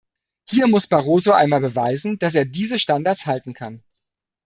Hier muss Barroso einmal beweisen, dass er diese Standards halten kann.